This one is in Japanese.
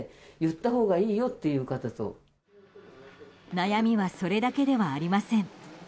悩みはそれだけではありません。